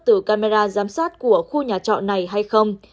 từ camera giám sát của khu nhà trọng